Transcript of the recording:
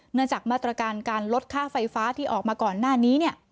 จากมาตรการการลดค่าไฟฟ้าที่ออกมาก่อนหน้านี้